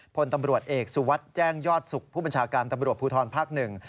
พลตำรวจเอกสุวัสดิ์แจ้งยอดสุขผู้บัญชาการตำรวจภูทรภาคหนึ่ง